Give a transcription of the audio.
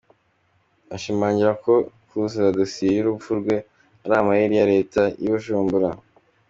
Ashimangira ko kuzura dosiye y’urupfu rwe ari amayeri ya Leta y’i Bujumbura.